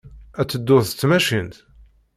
Ad tedduḍ s tmacint?